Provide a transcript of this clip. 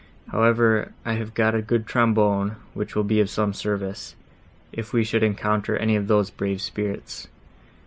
However, I have got a good trombone, which will be of some service, if we should encounter any of those brave spirits.